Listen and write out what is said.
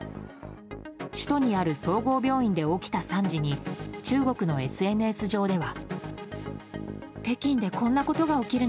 首都にある総合病院で起きた惨事に中国のＳＮＳ上では。